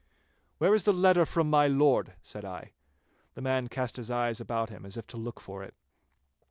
'Where is the letter from my Lord?' said I. The man cast his eyes about him as if to look for it.